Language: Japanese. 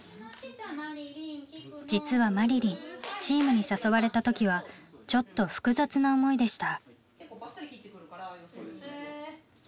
実はまりりんチームに誘われた時はちょっと複雑な思いでした。